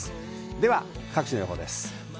では、各地の予報です。